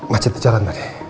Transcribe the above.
macet jalan tadi